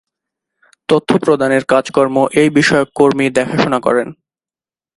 তথ্য প্রদানের কাজ-কর্ম এই বিষয়ক কর্মী দেখাশুনা করেন।